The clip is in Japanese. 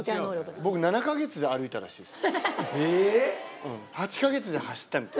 僕７カ月で歩いたらしいです。